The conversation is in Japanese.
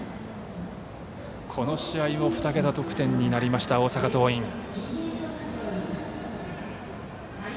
この試合も２桁得点になりました大阪桐蔭。